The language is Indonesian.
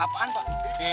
kebagian oke gini